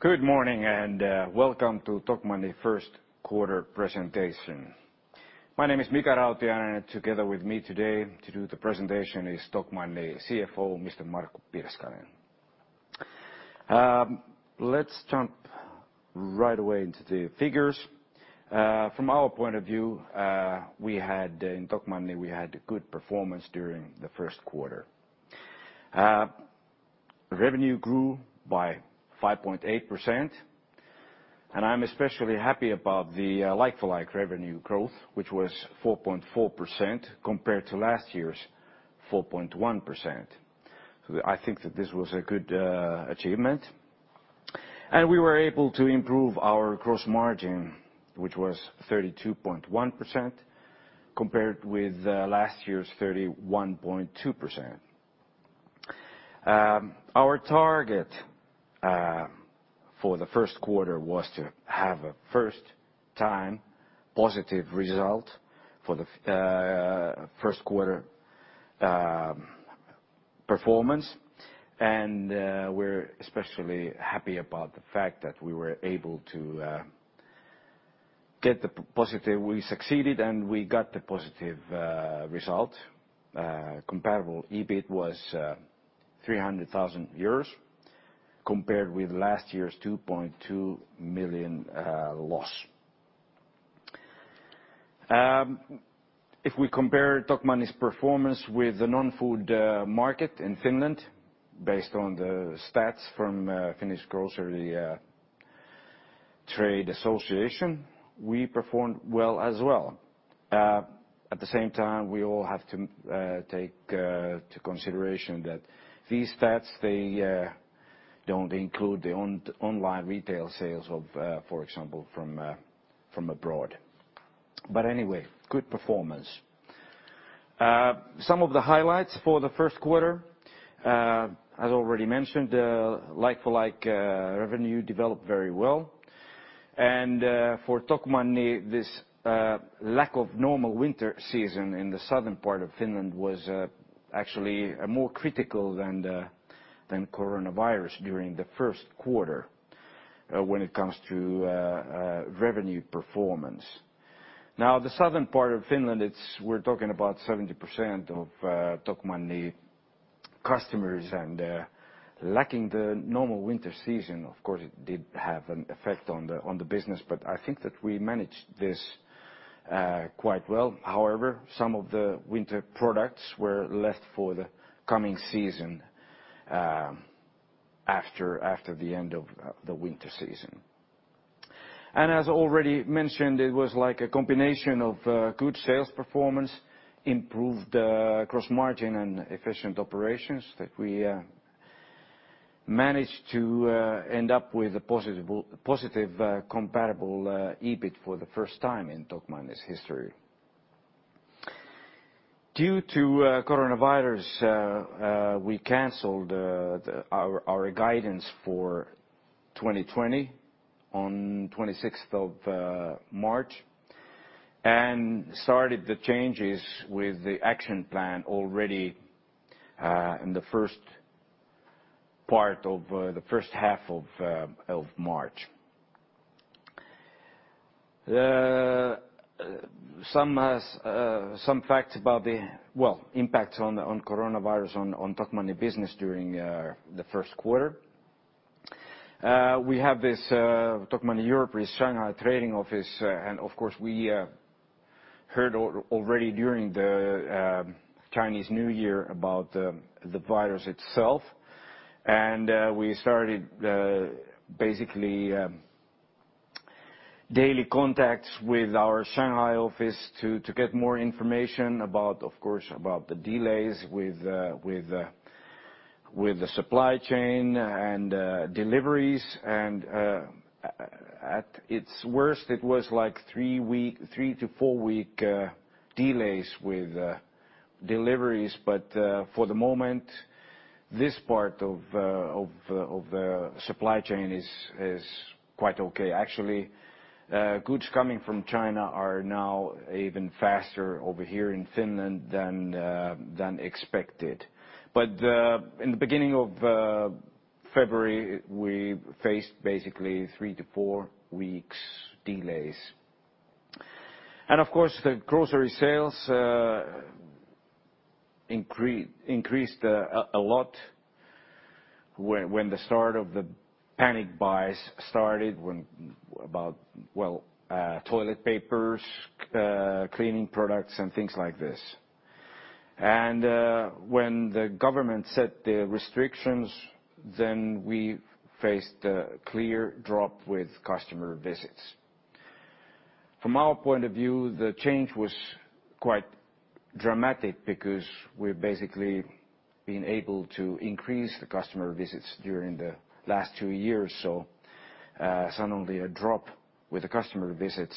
Good morning, welcome to Tokmanni First Quarter Presentation. My name is Mika Rautiainen, and together with me today to do the presentation is Tokmanni CFO, Mr. Markku Pirskanen. Let's jump right away into the figures. From our point of view, in Tokmanni, we had good performance during the first quarter. Revenue grew by 5.8%, and I'm especially happy about the like-for-like revenue growth, which was 4.4% compared to last year's 4.1%. I think that this was a good achievement. We were able to improve our gross margin, which was 32.1%, compared with last year's 31.2%. Our target for the first quarter was to have a first-time positive result for the first quarter performance. We're especially happy about the fact that we succeeded, and we got the positive result. Comparable EBIT was 300,000 euros compared with last year's 2.2 million loss. If we compare Tokmanni's performance with the non-food market in Finland, based on the stats from Finnish Grocery Trade Association, we performed well as well. At the same time, we all have to take to consideration that these stats, they don't include the online retail sales of, for example, from abroad. But anyway, good performance. Some of the highlights for the first quarter, as already mentioned, like-for-like revenue developed very well. For Tokmanni, this lack of normal winter season in the southern part of Finland was actually more critical than coronavirus during the first quarter when it comes to revenue performance. Now, the southern part of Finland, we're talking about 70% of Tokmanni customers, and lacking the normal winter season, of course, it did have an effect on the business. I think that we managed this quite well. However, some of the winter products were left for the coming season after the end of the winter season. As already mentioned, it was like a combination of good sales performance, improved gross margin, and efficient operations that we managed to end up with a positive comparable EBIT for the first time in Tokmanni's history. Due to coronavirus, we canceled our guidance for 2020 on 26th of March, and started the changes with the action plan already in the first part of the first half of March. Some facts about the, well, impact on coronavirus on Tokmanni business during the first quarter. We have this Tokmanni Europris Shanghai trading office, and of course, we heard already during the Chinese New Year about the virus itself. We started basically daily contacts with our Shanghai office to get more information about, of course, about the delays with the supply chain and deliveries. At its worst, it was like three to four-week delays with deliveries. For the moment, this part of the supply chain is quite okay. Actually, goods coming from China are now even faster over here in Finland than expected. In the beginning of February, we faced basically three to four weeks delays. Of course, the grocery sales increased a lot when the start of the panic buys started about, well, toilet papers, cleaning products, and things like this. When the government set the restrictions, then we faced a clear drop with customer visits. From our point of view, the change was quite dramatic because we've basically been able to increase the customer visits during the last two years. Suddenly, a drop with the customer visits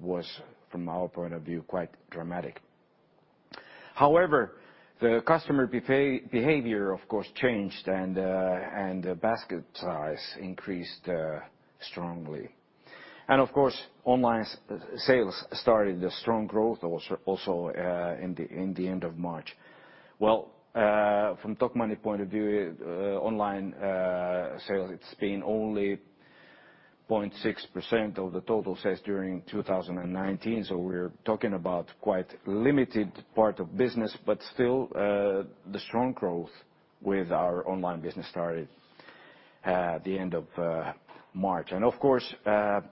was, from our point of view, quite dramatic. However, the customer behavior, of course, changed, and the basket size increased strongly. Of course, online sales started a strong growth also in the end of March. From Tokmanni point of view, online sales, it's been only 0.6% of the total sales during 2019. We're talking about quite limited part of business, but still, the strong growth with our online business started at the end of March. Of course, the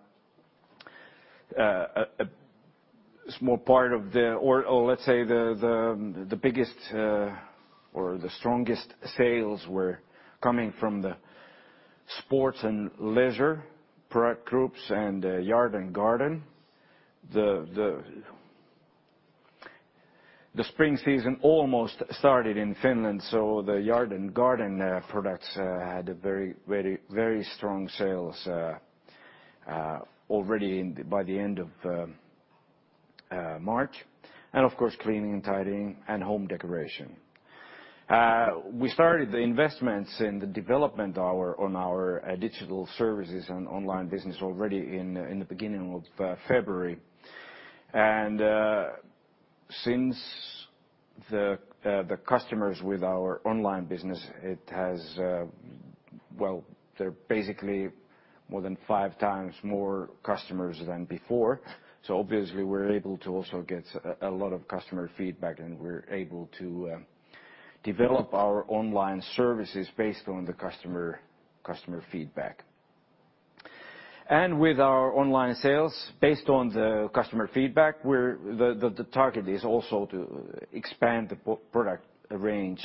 biggest or the strongest sales were coming from the sports and leisure product groups and yard and garden. The spring season almost started in Finland, the yard and garden products had very strong sales already by the end of March. And of course, cleaning and tidying and home decoration. We started the investments in the development on our digital services and online business already in the beginning of February. Since the customers with our online business, well, they're basically more than five times more customers than before. Obviously, we're able to also get a lot of customer feedback, and we're able to develop our online services based on the customer feedback. With our online sales, based on the customer feedback, the target is also to expand the product range,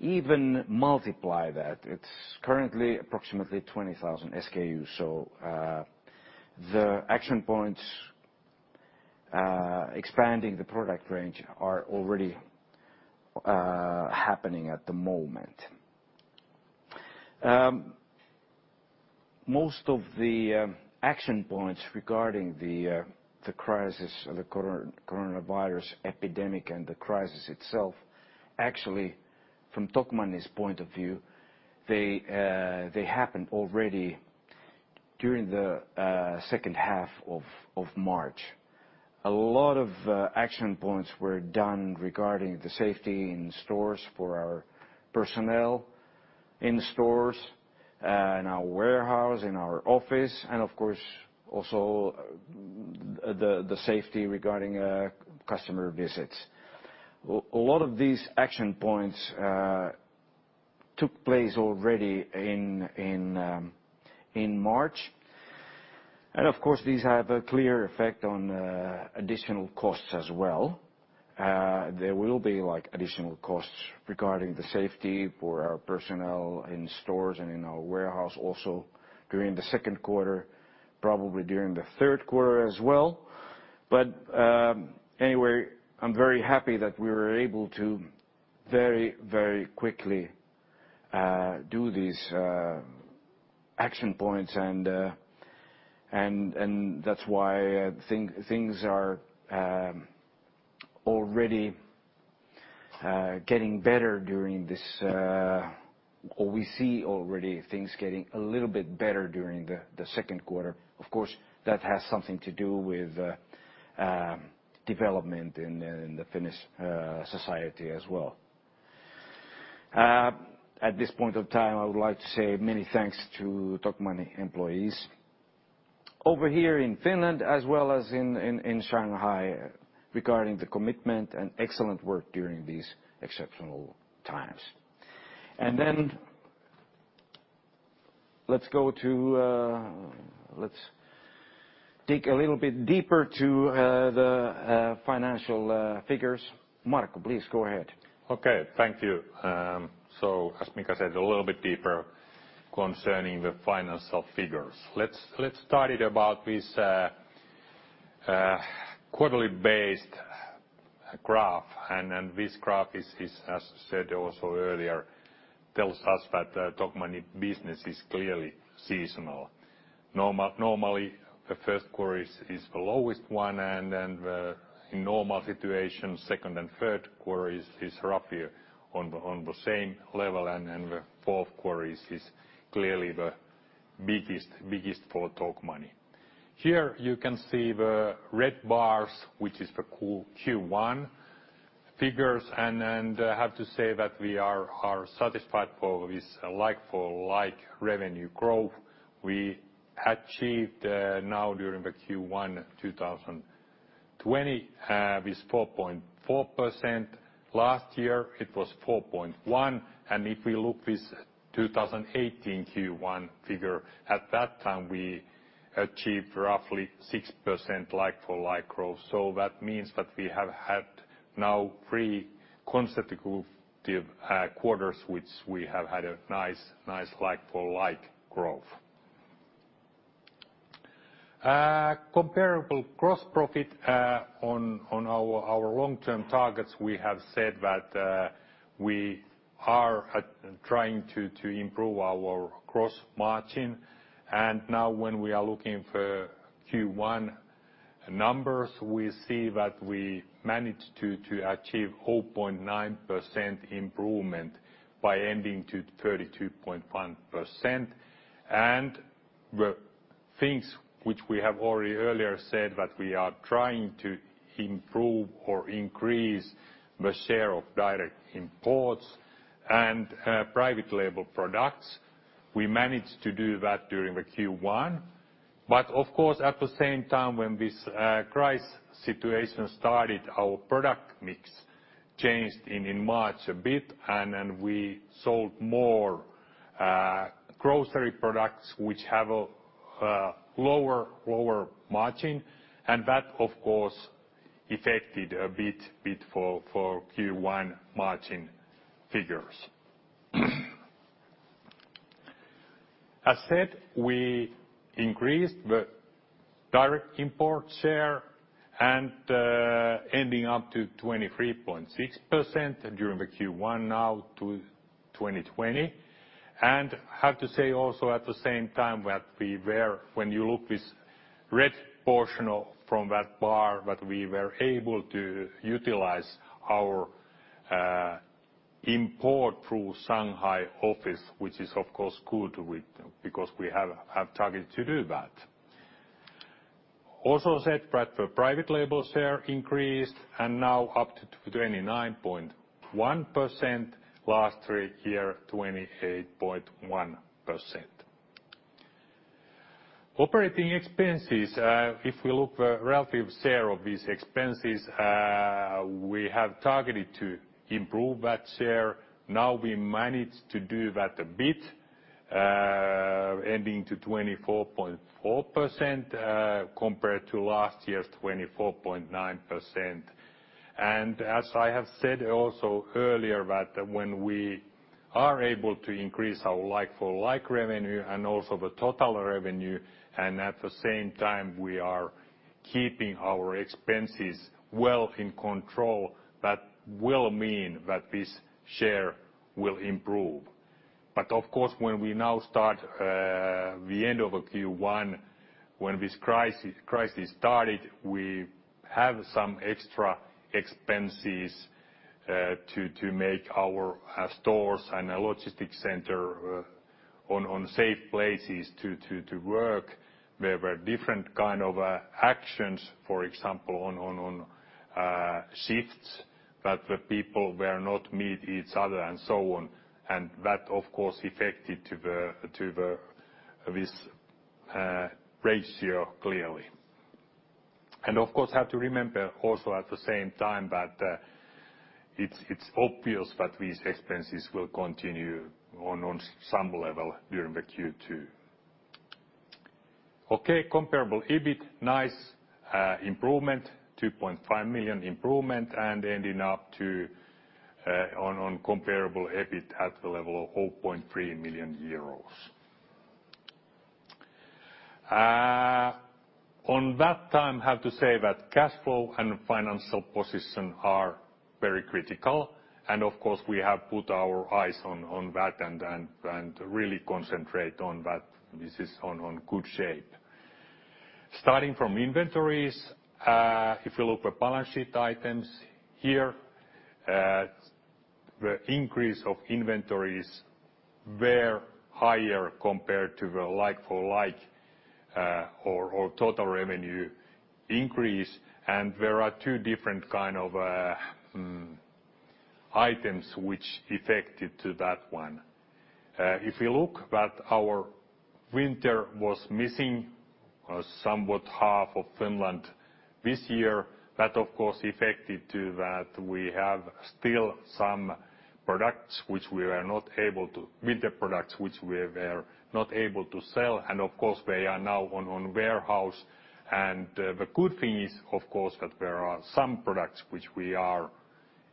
even multiply that. It's currently approximately 20,000 SKUs. The action points, expanding the product range, are already happening at the moment. Most of the action points regarding the crisis or the coronavirus epidemic and the crisis itself, actually, from Tokmanni's point of view, they happened already during the second half of March. A lot of action points were done regarding the safety in stores for our personnel, in stores, in our warehouse, in our office, and of course, also the safety regarding customer visits. A lot of these action points took place already in March. Of course, these have a clear effect on additional costs as well. There will be additional costs regarding the safety for our personnel in stores and in our warehouse also during the second quarter, probably during the third quarter as well. Anyway, I'm very happy that we were able to very, very quickly do these action points, and that's why things are already getting better. We see already things getting a little bit better during the second quarter. Of course, that has something to do with development in the Finnish society as well. At this point of time, I would like to say many thanks to Tokmanni employees over here in Finland, as well as in Shanghai, regarding the commitment and excellent work during these exceptional times. Let's dig a little bit deeper to the financial figures. Markku, please go ahead. Okay. Thank you. As Mika said, a little bit deeper concerning the financial figures. Let's start it about this quarterly based graph. This graph is, as I said also earlier, tells us that Tokmanni business is clearly seasonal. Normally, the first quarter is the lowest one, and then the normal situation, second and third quarter is roughly on the same level, and then the fourth quarter is clearly the biggest for Tokmanni. Here you can see the red bars, which is the Q1 figures, and I have to say that we are satisfied for this like-for-like revenue growth we achieved now during the Q1 2020 with 4.4%. Last year it was 4.1%. If we look this 2018 Q1 figure, at that time, we achieved roughly 6% like-for-like growth. That means that we have had now three consecutive quarters, which we have had a nice like-for-like growth. Comparable gross profit on our long-term targets, we have said that we are trying to improve our gross margin. Now when we are looking for Q1 numbers, we see that we managed to achieve 0.9% improvement by ending to 32.1%. The things which we have already earlier said that we are trying to improve or increase the share of direct imports and private label products. We managed to do that during the Q1. Of course, at the same time, when this crisis situation started, our product mix changed in March a bit, and we sold more grocery products, which have a lower, lower margin. That, of course, affected a bit for Q1 margin figures. As said, we increased the direct import share and ending up to 23.6% during Q1 now to 2020. I have to say also at the same time, when you look this red portion from that bar, that we were able to utilize our import through Shanghai office, which is, of course, good because we have targeted to do that. Also said that the private label share increased and now up to 29.1%. Last three year, 28.1%. Operating expenses. If we look at relative share of these expenses, we have targeted to improve that share. Now we managed to do that a bit, ending to 24.4% compared to last year's 24.9%. As I have said also earlier, that when we are able to increase our like-for-like revenue and also the total revenue, and at the same time we are keeping our expenses well in control, that will mean that this share will improve. Of course, when we now start the end of Q1, when this crisis started, we have some extra expenses to make our stores and logistics center on safe places to work, where were different kind of actions, for example, on shifts, that the people were not meet each other and so on. That, of course, affected to this ratio, clearly. Of course, have to remember also at the same time that it's obvious that these expenses will continue on some level during the Q2. Okay. Comparable EBIT, nice improvement, 2.5 million improvement, and ending up to on comparable EBIT at the level of 0.3 million euros. On that time, I have to say that cash flow and financial position are very critical. Of course, we have put our eyes on that and really concentrate on that. This is on good shape. Starting from inventories, if you look at balance sheet items here, the increase of inventories were higher compared to the like-for-like or total revenue increase. There are two different kind of items which affected to that one. If you look that our winter was missing somewhat half of Finland this year, that of course, affected to that we have still some winter products which we were not able to sell. Of course, they are now on warehouse. The good thing is, of course, that there are some products which we are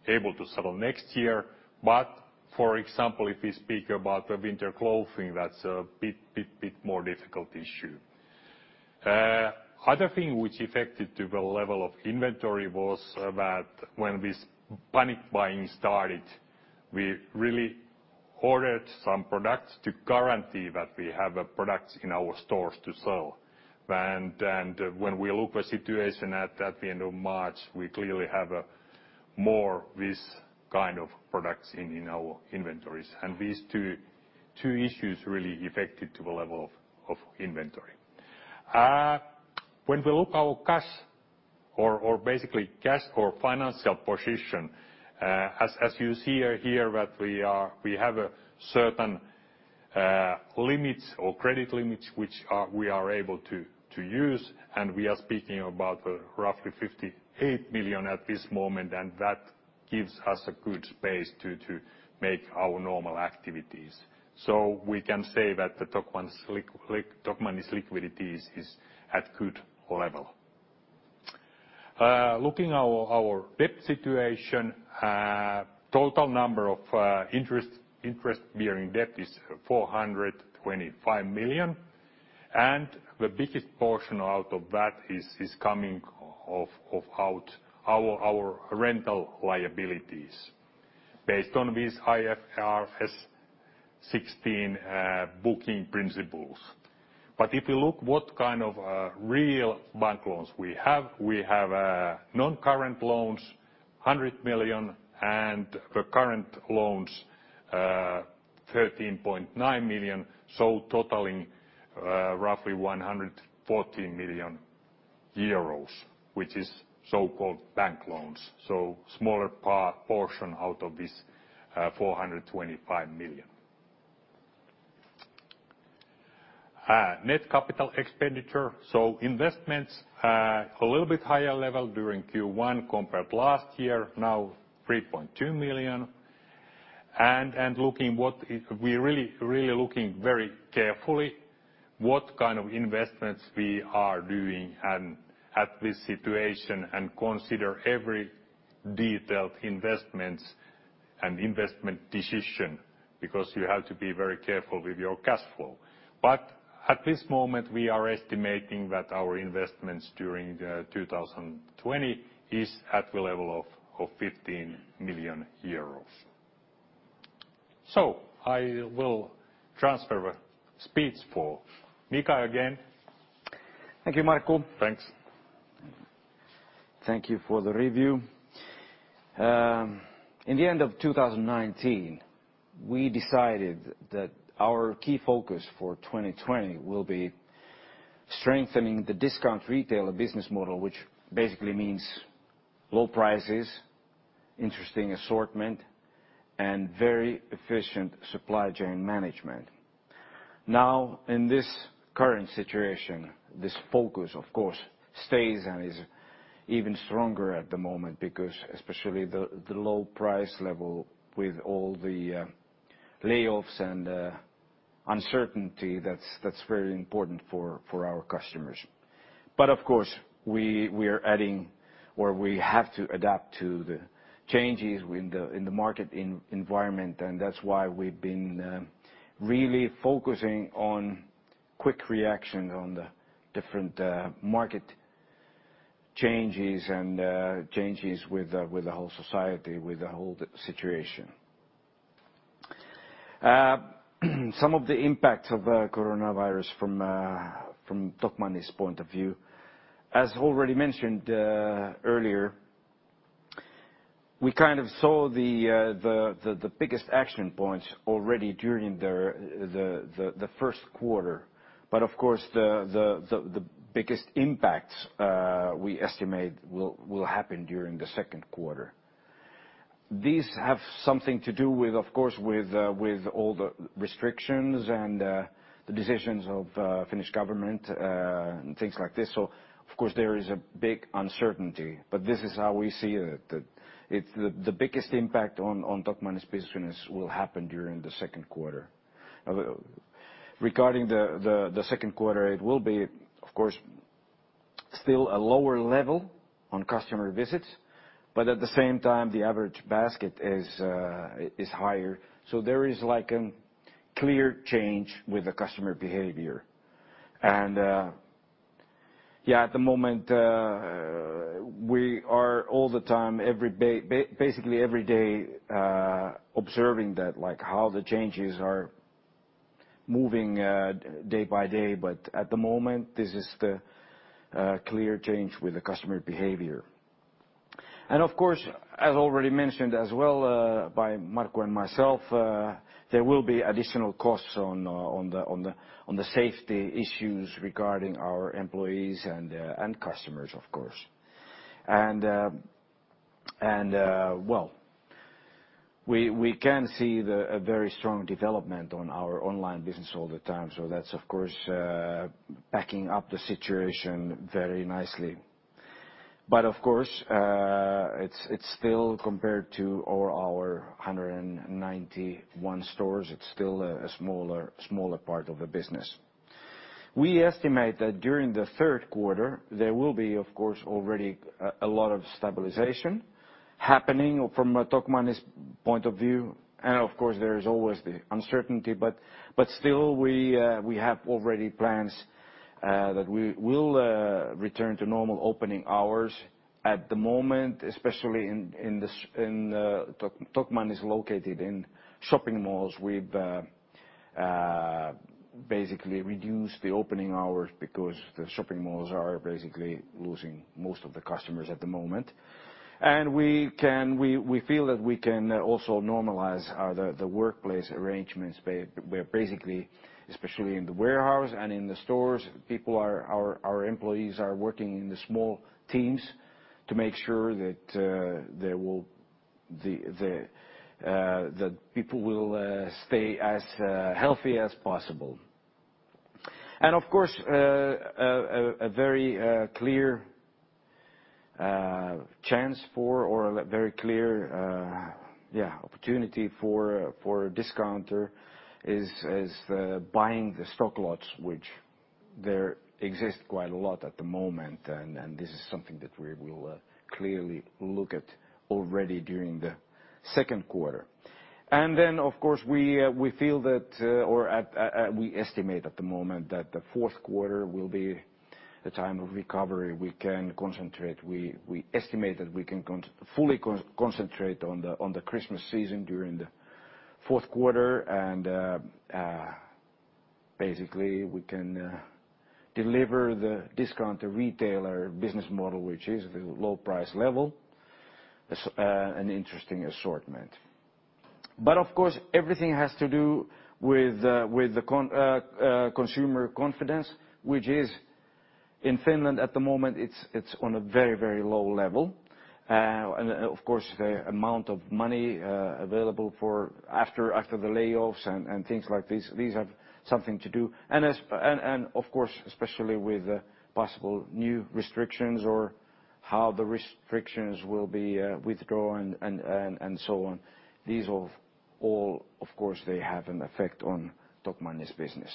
able to sell next year. But for example, if we speak about the winter clothing, that's a bit more difficult issue. Other thing which affected to the level of inventory was that when this panic buying started, we really ordered some products to guarantee that we have products in our stores to sell. When we look at situation at the end of March, we clearly have more this kind of products in our inventories. These two issues really affected to the level of inventory. When we look our cash or basically cash or financial position, as you see here that we have a certain limits or credit limits which we are able to use, and we are speaking about roughly 58 million at this moment, and that gives us a good space to make our normal activities. We can say that the Tokmanni's liquidity is at good level. Looking at our debt situation, total number of interest-bearing debt is 425 million, and the biggest portion out of that is coming out our rental liabilities based on this IFRS 16 booking principles. If you look what kind of real bank loans we have, we have non-current loans, 100 million, and the current loans, 13.9 million. Totaling roughly 114 million euros, which is so-called bank loans. Smaller portion out of this 425 million. Net capital expenditure. Investments, a little bit higher level during Q1 compared to last year, now 3.2 million. We're really looking very carefully what kind of investments we are doing and at this situation, and consider every detailed investments and investment decision, because you have to be very careful with your cash flow. At this moment, we are estimating that our investments during 2020 is at the level of 15 million euros. I will transfer the speech for Mika again. Thank you, Markku. Thanks. Thank you for the review. In the end of 2019, we decided that our key focus for 2020 will be strengthening the discount retailer business model, which basically means low prices, interesting assortment, and very efficient supply chain management. Now, in this current situation, this focus, of course, stays and is even stronger at the moment. Because especially the low price level with all the layoffs and uncertainty, that's very important for our customers. Of course, we are adding or we have to adapt to the changes in the market environment. That's why we've been really focusing on quick reaction on the different market changes and changes with the whole society, with the whole situation. Some of the impacts of the coronavirus from Tokmanni's point of view, as already mentioned earlier, we saw the biggest action points already during the first quarter. Of course, the biggest impacts, we estimate, will happen during the second quarter. These have something to do, of course, with all the restrictions and the decisions of Finnish government, and things like this. Of course, there is a big uncertainty, but this is how we see it, that the biggest impact on Tokmanni's business will happen during the second quarter. Regarding the second quarter, it will be, of course, still a lower level on customer visits. At the same time, the average basket is higher. There is a clear change with the customer behavior. At the moment, we are all the time, basically every day, observing that, how the changes are moving day by day. At the moment, this is the clear change with the customer behavior. Of course, as already mentioned as well, by Markku and myself, there will be additional costs on the safety issues regarding our employees and customers, of course. Well, we can see a very strong development on our online business all the time. That's, of course, backing up the situation very nicely. But of course, it's still compared to all our 191 stores, it's still a smaller part of the business. We estimate that during the third quarter, there will be, of course, already a lot of stabilization happening from a Tokmanni's point of view. Of course, there is always the uncertainty, but still, we have already plans that we will return to normal opening hours. At the moment, especially in Tokmanni's located in shopping malls, we've basically reduced the opening hours because the shopping malls are basically losing most of the customers at the moment. We feel that we can also normalize the workplace arrangements where basically, especially in the warehouse and in the stores, our employees are working in the small teams to make sure that people will stay as healthy as possible. Of course, a very clear chance for, or a very clear opportunity for a discounter is buying the stock lots, which there exist quite a lot at the moment. This is something that we will clearly look at already during the second quarter. And then of course, we estimate at the moment that the fourth quarter will be a time of recovery. We estimate that we can fully concentrate on the Christmas season during the fourth quarter, and basically we can deliver the discounter retailer business model, which is the low price level, an interesting assortment. But of course, everything has to do with the consumer confidence, which is in Finland at the moment, it's on a very, very low level. Of course, the amount of money available after the layoffs and things like this, these have something to do. Of course, especially with possible new restrictions or how the restrictions will be withdrawn and so on. These all, of course, they have an effect on Tokmanni's business.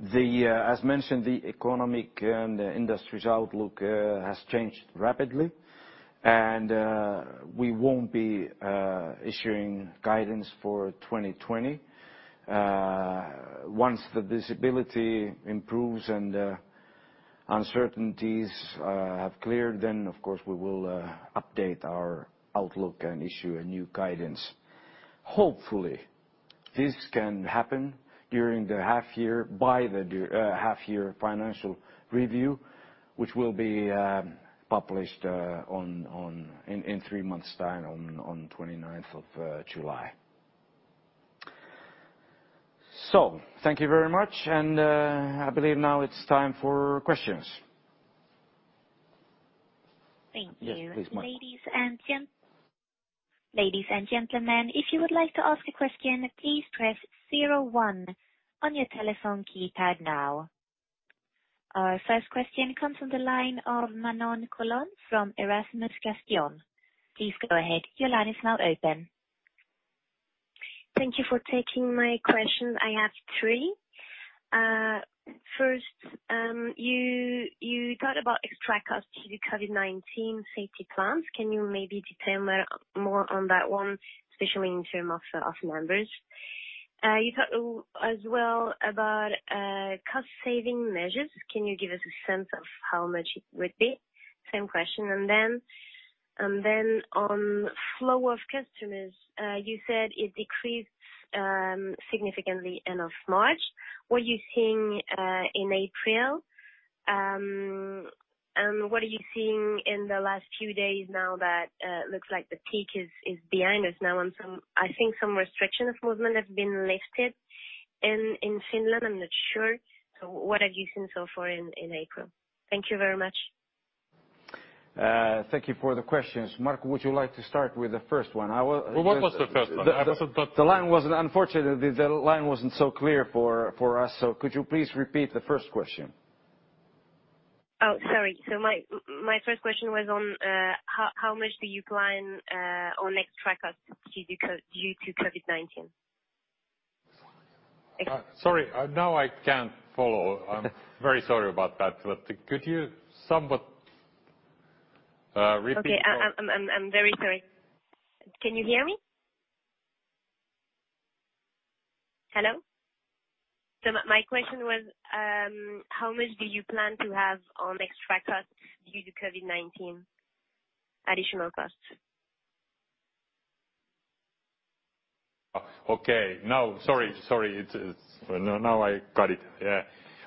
As mentioned, the economic and industry's outlook has changed rapidly, we won't be issuing guidance for 2020. Once the visibility improves and the uncertainties have cleared, of course, we will update our outlook and issue a new guidance. Hopefully, this can happen by the half-year financial review, which will be published in three months time, on 29th of July. So thank you very much, and I believe now it's time for questions. Thank you. Yes, please, Markku. Ladies and gentlemen, if you would like to ask a question, please press zero one on your telephone keypad now. Our first question comes from the line of Manon Coulon from Erasmus Gestion. Please go ahead. Your line is now open. Thank you for taking my question. I have three. First, you thought about extra cost due to COVID-19 safety plans. Can you maybe detail more on that one, especially in terms of numbers? You thought as well about cost saving measures. Can you give us a sense of how much it would be? Same question. And then on flow of customers, you said it decreased significantly end of March. What you seeing in April? What are you seeing in the last few days now that looks like the peak is behind us now, and I think some restriction of movement have been lifted in Finland. I'm not sure. What have you seen so far in April? Thank you very much. Thank you for the questions. Markku, would you like to start with the first one? Well, what was the first one? Unfortunately, the line wasn't so clear for us. Could you please repeat the first question? Oh, sorry. My first question was on how much do you plan on extra cost due to COVID-19? Sorry, now I can't follow. I'm very sorry about that, but could you somewhat repeat? Okay. I'm very sorry. Can you hear me? Hello? My question was, how much do you plan to have on extra cost due to COVID-19, additional costs? Okay. Now, sorry, sorry. Now I got it. Yeah.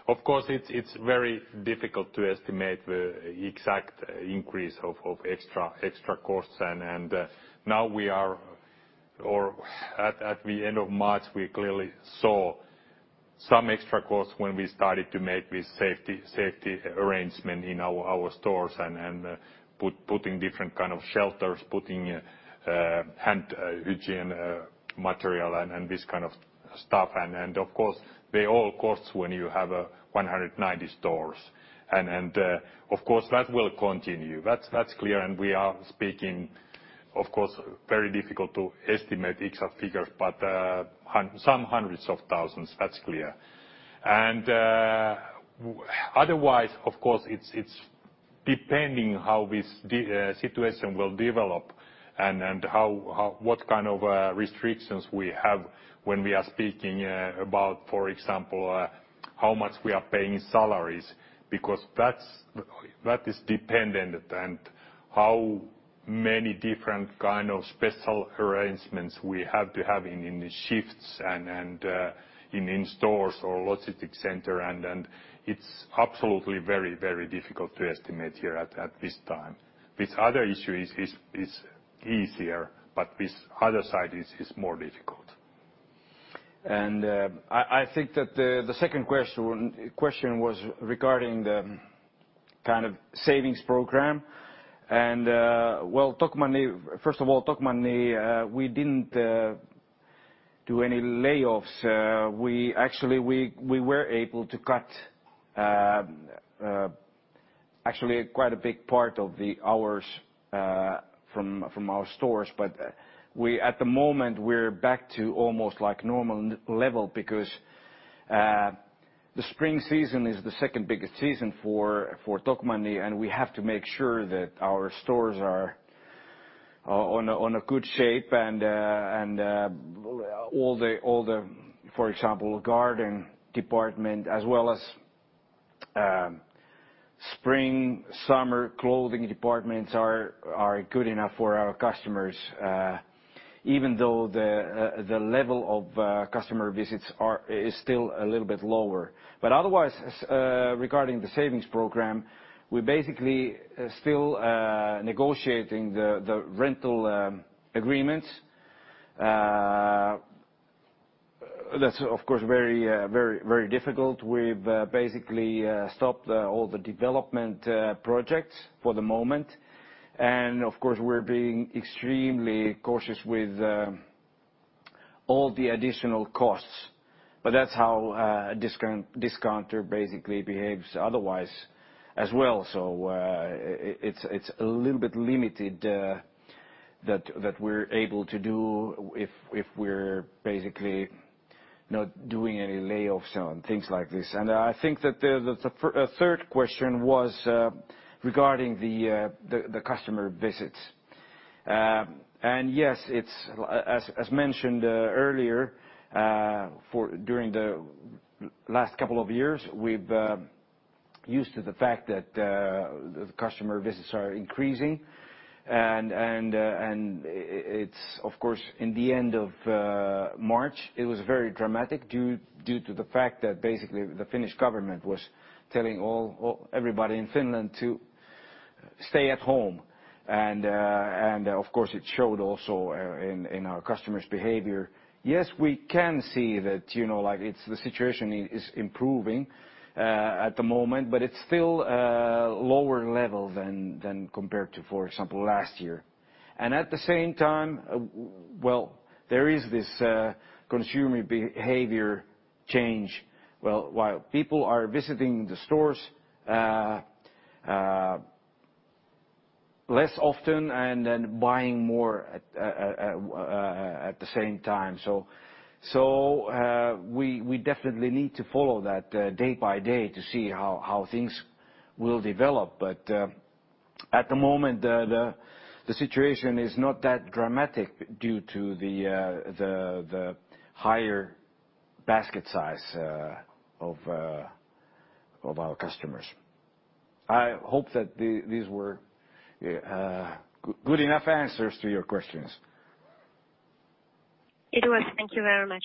Of course, it is very difficult to estimate the exact increase of extra costs. At the end of March, we clearly saw some extra costs when we started to make the safety arrangement in our stores and putting different kind of shelters, putting hand hygiene material and this kind of stuff. Of course, they all cost when you have 190 stores. Of course, that will continue. That's clear, and we are speaking, of course, very difficult to estimate exact figures, but some hundreds of thousands EUR, that's clear. Otherwise, of course, it's depending how this situation will develop and what kind of restrictions we have when we are speaking about, for example, how much we are paying salaries, because that is dependent on how many different kind of special arrangements we have to have in the shifts and in stores or logistic center. It's absolutely very difficult to estimate here at this time. With other issues is easier, but with other side is more difficult. I think that the second question was regarding the kind of savings program. First of all, Tokmanni we didn't do any layoffs. Actually, we were able to cut actually quite a big part of the hours from our stores. At the moment we're back to almost like normal level because the spring season is the second biggest season for Tokmanni, and we have to make sure that our stores are in a good shape and all the, for example, garden department as well as spring, summer clothing departments are good enough for our customers. Even though the level of customer visits is still a little bit lower. Otherwise, regarding the savings program, we basically still negotiating the rental agreements. That's, of course, very difficult. We've basically stopped all the development projects for the moment. Of course, we're being extremely cautious with all the additional costs. That's how a discounter basically behaves otherwise as well. It's a little bit limited that we're able to do if we're basically not doing any layoffs on things like this. I think that the third question was regarding the customer visits. Yes, as mentioned earlier, during the last couple of years, we've used to the fact that the customer visits are increasing. It's, of course, in the end of March, it was very dramatic due to the fact that basically the Finnish government was telling everybody in Finland to stay at home. Of course, it showed also in our customers' behavior. Yes, we can see that the situation is improving at the moment, but it's still a lower level than compared to, for example, last year. At the same time, well, there is this consumer behavior change. Well, while people are visiting the stores less often and then buying more at the same time. We definitely need to follow that day by day to see how things will develop. At the moment, the situation is not that dramatic due to the higher basket size of our customers. I hope that these were good enough answers to your questions. It was. Thank you very much.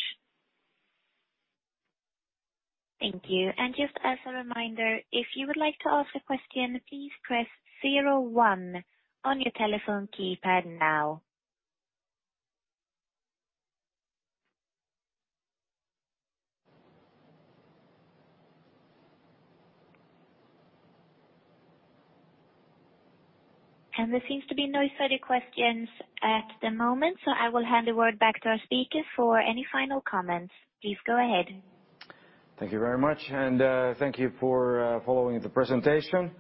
Thank you. Just as a reminder, if you would like to ask a question, please press zero one on your telephone keypad now. There seems to be no further questions at the moment, I will hand the word back to our speaker for any final comments. Please go ahead. Thank you very much. Thank you for following the presentation.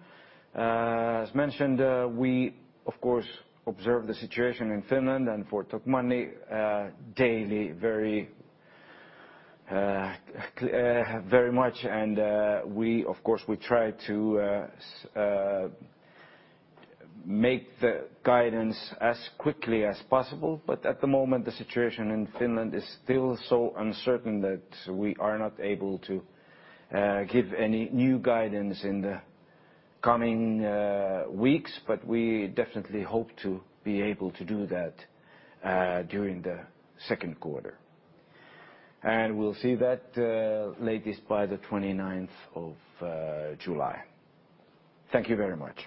As mentioned, we, of course, observe the situation in Finland and for Tokmanni daily very much. Of course, we try to make the guidance as quickly as possible. At the moment, the situation in Finland is still so uncertain that we are not able to give any new guidance in the coming weeks. We definitely hope to be able to do that during the second quarter. We'll see that latest by the 29th of July. Thank you very much.